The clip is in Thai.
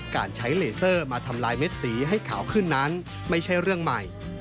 การใช้เลเซอร์มาทำลายเม็ดสีให้ขาวขึ้นนั้นไม่ใช่เรื่องใหม่